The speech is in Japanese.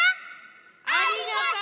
ありがとう！